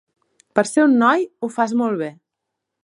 Per ser un noi, ho fas molt bé.